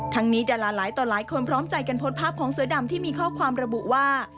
นี้ดาราหลายต่อหลายคนพร้อมใจกันโพสต์ภาพของเสือดำที่มีข้อความระบุว่า